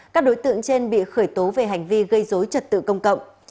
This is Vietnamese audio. các đối tượng trên bị khởi tố về hành vi gây dối trật tự công cộng